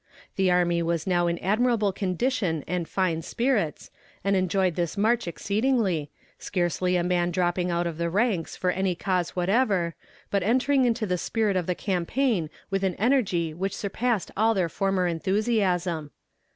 The army was now in admirable condition and fine spirits, and enjoyed this march exceedingly, scarcely a man dropping out of the ranks for any cause whatever, but entering into the spirit of the campaign with an energy which surpassed all their former enthusiasm.